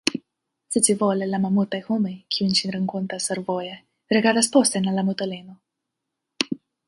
Scivole la malmultaj homoj, kiujn ŝi renkontas survoje, rigardas posten al la mutulino.